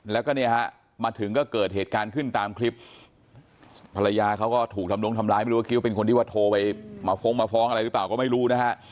แล้วก็เนี่ยฮะมาถึงก็เกิดเหตุการณ์ขึ้นตามคลิปภรรยาเขาก็ถูกทำลงทำร้ายไม่รู้ว่าคิดว่าเป็นคนที่ว่าโทรไปมาฟ้องมาฟ้องอะไรหรือเปล่าก็ไม่รู้นะฮะ